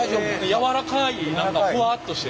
やわらかい何かふわっとして。